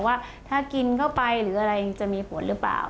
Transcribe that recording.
ว่าถ้ากินเข้าไปหรืออะไรจะมีผลหรือเปล่า